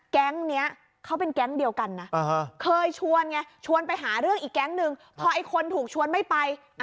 เก๊งนี้เขาเป็นแก๊งเดียวกันนะ